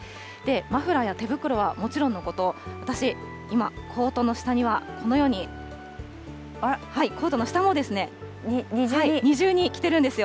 マフラーや手袋はもちろんのこと、私、今、コートの下にはこのように、コートの下も、二重に着てるんですよ。